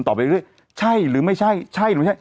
ต่อไปเรื่อยใช่หรือไม่ใช่